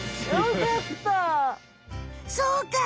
そうか！